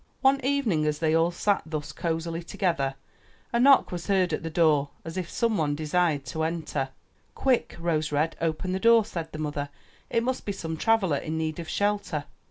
One evening as they all sat thus cozily together, a knock was heard at the door as if some one desired to enter. ''Quick, Rose red, open the door,'' said the mother. "It must be some traveller in need of shelter."